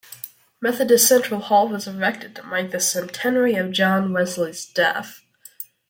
Methodist Central Hall was erected to mark the centenary of John Wesley's death.